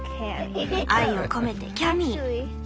愛を込めてキャミー。